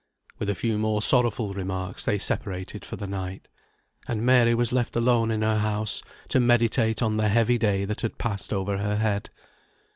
With a few more sorrowful remarks they separated for the night, and Mary was left alone in her house, to meditate on the heavy day that had passed over her head.